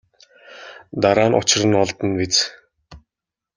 Дараа нь учир нь олдоно биз.